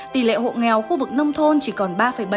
tỷ lệ hộ nghèo khu vực nông thôn chỉ còn ba bảy